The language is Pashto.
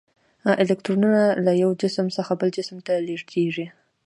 الکترونونه له یو جسم څخه بل جسم ته لیږدیږي.